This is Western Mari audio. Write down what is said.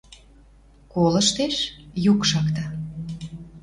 Колыштеш: юк шакта.